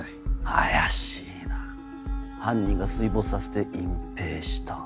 怪しいな犯人が水没させて隠蔽した。